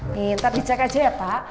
pintar dicek aja ya pak